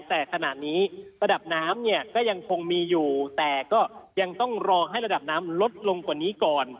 แต่ขณะนี้ระดับน้ำเนี่ยก็ยังคงมีอยู่แต่ก็ยังต้องรอให้ระดับน้ำลดลงกว่านี้ก่อน